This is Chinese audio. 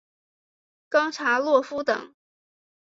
冈察洛夫等。